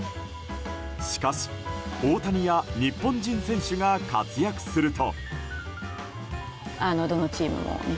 しかし、大谷や日本人選手が活躍すると。